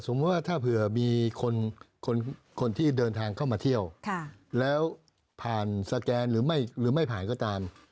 ว่าถ้าเผื่อมีคนที่เดินทางเข้ามาเที่ยวแล้วผ่านสแกนหรือไม่หรือไม่ผ่านก็ตาม